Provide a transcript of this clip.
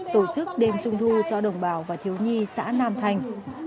tổ chức đêm trung thu cho đồng bào và thiếu nhi xã nam thanh